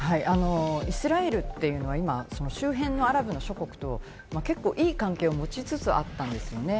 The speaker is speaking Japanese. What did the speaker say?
イスラエルというのは周辺のアラブの諸国と結構いい関係を持ちつつあったんですよね。